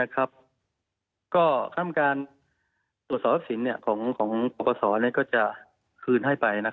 ก็คุณตรวจสอบศิลป์ของสังคมบทสอบของบทสอบก็จะคืนให้ไป